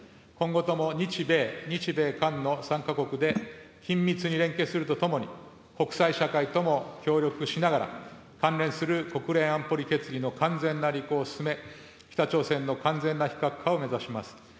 今後とも日米、日米韓の３か国で、緊密に連携するとともに、国際社会とも協力しながら、関連する国連安保理決議の完全な履行を進め、北朝鮮の完全な非核化を目指します。